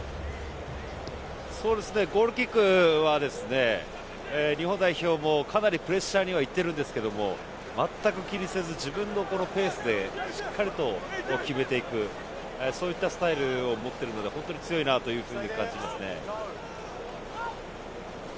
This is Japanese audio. ゴールキックは日本代表もかなりプレッシャーには行っているんですけど全く気にせず自分のペースでしっかりと決めていくスタイルを持っているので本当に強いなと感じますね。